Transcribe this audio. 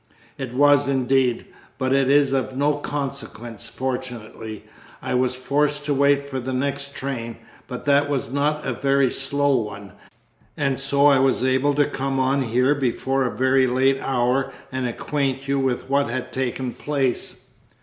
"It was, indeed, but it is of no consequence fortunately. I was forced to wait for the next train, but that was not a very slow one, and so I was able to come on here before a very late hour and acquaint you with what had taken place."